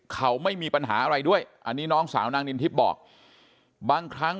เขาไม่มีปัญหาอะไรด้วยอันนี้น้องสาวนางนินทิพย์บอกบางครั้ง